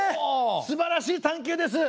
すばらしい探究です。